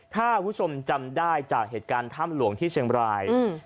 ถ้าผู้ชมจำได้จากเหตุการณ์ท่ามหลวงที่เชียงบรายอืม